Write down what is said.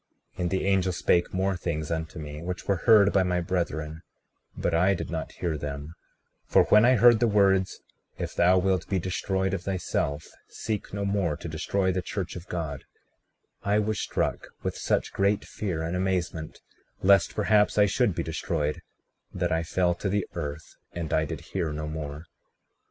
36:11 And the angel spake more things unto me, which were heard by my brethren, but I did not hear them; for when I heard the words—If thou wilt be destroyed of thyself, seek no more to destroy the church of God—I was struck with such great fear and amazement lest perhaps I should be destroyed, that I fell to the earth and I did hear no more.